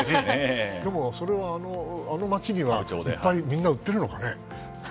でも、それをあの町にはいっぱいみんな売ってるのかね？